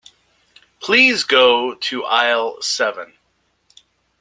Please go to aisle seven.